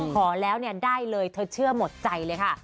ขอแล้วเนี่ยได้เลยเธอเชื่อหมดใจเลยค่ะ